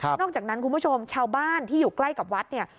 นอกจากนั้นคุณผู้ชมชาวบ้านที่อยู่ใกล้กับวัดเนี่ย